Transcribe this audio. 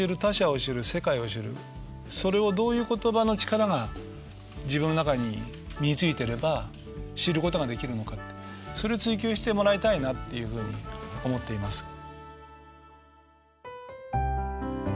それをどういう言葉の力が自分の中に身についてれば知ることができるのかってそれ追求してもらいたいなっていうふうに思っています。